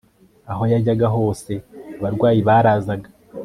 aho yajyaga hose abarwayi barazaga